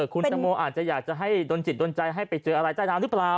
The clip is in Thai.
คุณตังโมอาจจะอยากจะให้โดนจิตโดนใจให้ไปเจออะไรใต้น้ำหรือเปล่า